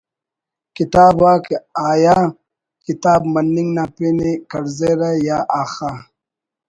کتاب آک آیا کتاب مننگ نا پن ءِ کڑزرہ یا آخا